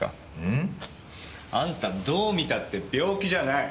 ん？あんたどう見たって病気じゃない。